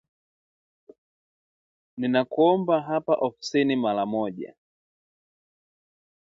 “Ninakuomba hapa ofisini mara moja